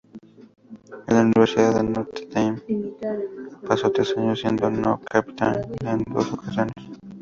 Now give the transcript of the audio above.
En la Universidad de Norte Dame pasó tres años, siendo co-capitán en dos ocasiones.